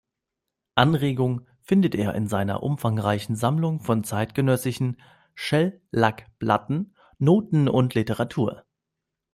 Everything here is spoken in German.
Anregung findet er in seiner umfangreichen Sammlung von zeitgenössischen Schellackplatten, Noten und Literatur.